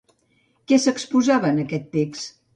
Què s'exposava en aquest text?